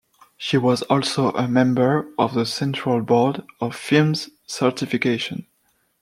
She was also a member of the Central Board of Film Certification.